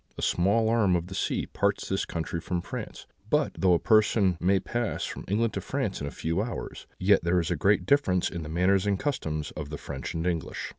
A small arm of the sea parts this country from France; but though a person may pass from England to France in a few hours, yet there is a great difference in the manners and customs of the French and English.